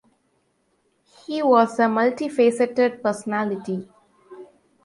He was a multi-faceted personality.